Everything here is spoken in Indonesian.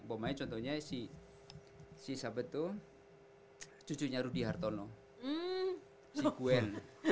pemain contohnya si sahabat tuh cucunya rudy hartono si gwen